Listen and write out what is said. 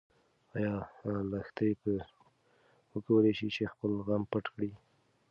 ايا لښتې به وکولی شي چې خپل غم پټ کړي؟